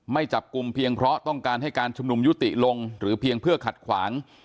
ไม่จับกลุ่มเพียงเพราะต้องการให้การชุมนุมยุติลงหรือเพียงเพื่อขัดขวาง